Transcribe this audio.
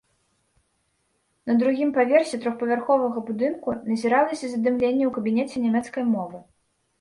На другім паверсе трохпавярховага будынку назіралася задымленне ў кабінеце нямецкай мовы.